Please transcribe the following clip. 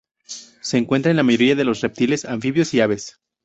Se encuentra en la mayoría de los reptiles, anfibios y aves.